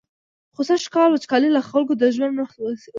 خو سږکال وچکالۍ له خلکو د ژوند روح ویستلی.